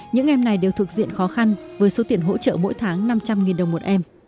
những em này đều thuộc diện khó khăn với số tiền hỗ trợ mỗi tháng năm trăm linh đồng một em